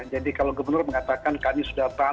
jadi kalau gubernur mengatakan kanis sumur resapan